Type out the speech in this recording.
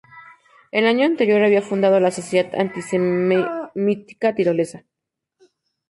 El año anterior, había fundado la Sociedad Antisemita Tirolesa.